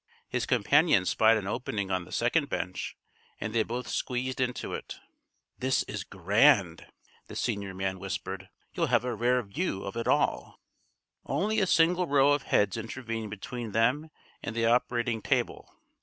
His companion spied an opening on the second bench, and they both squeezed into it. "This is grand!" the senior man whispered. "You'll have a rare view of it all." Only a single row of heads intervened between them and the operating table.